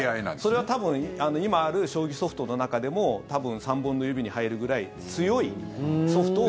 それは多分今ある将棋ソフトの中でも多分３本の指に入るぐらい強いソフトを。